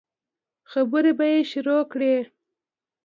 خبرې به يې شروع کړې.